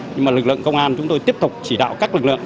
nhưng mà lực lượng công an chúng tôi tiếp tục chỉ đạo các lực lượng